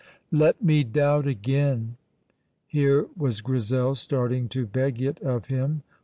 "Let me doubt again!" Here was Grizel starting to beg it of him.